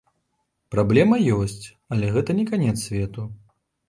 Праблема ёсць, але гэта не канец свету!